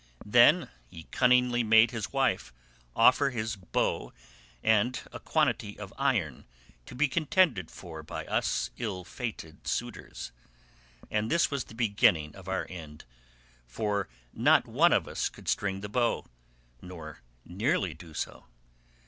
Then he cunningly made his wife offer his bow and a quantity of iron to be contended for by us ill fated suitors; and this was the beginning of our end, for not one of us could string the bow—nor nearly do so.